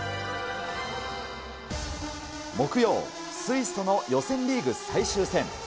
木曜、スイスとの予選リーグ最終戦。